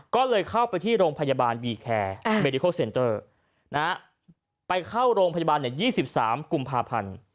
ก็เลยเข้าไปที่โรงพยาบาลบีแคร์ไปเข้าโรงพยาบาล๒๓กุมภาพันธ์